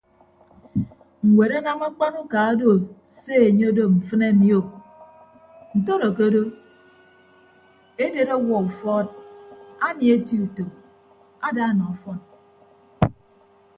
Ñwed anam akpan uka odo se anye odo mfịn ami o ntodo ke odo edet ọwuọ ufuọd anie eti utom ada nọ ọfọn.